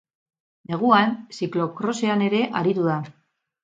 Neguan ziklo-krosean ere aritu da.